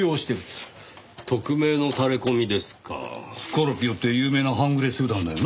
スコルピオって有名な半グレ集団だよな？